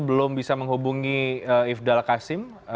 belum bisa menghubungi ifdal kasim